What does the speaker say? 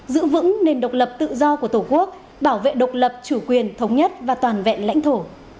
giữ vững nền độc lập tự do của tổ quốc bảo vệ độc lập chủ quyền thống nhất và toàn vẹn lãnh thổ